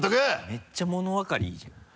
めっちゃものわかりいいじゃん。